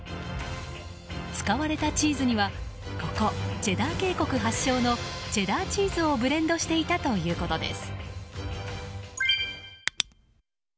使われたチーズにはここ、チェダー渓谷発祥のチェダーチーズをブレンドしていたということです。